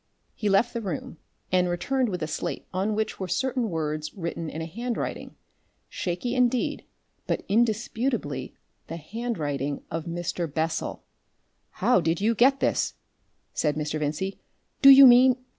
He left the room, and returned with a slate on which were certain words written in a handwriting, shaky indeed, but indisputably the handwriting of Mr. Bessel! "How did you get this?" said Mr. Vincey. "Do you mean